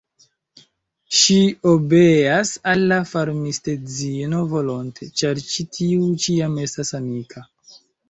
Ŝi obeas al la farmistedzino volonte, ĉar ĉi tiu ĉiam estas amika.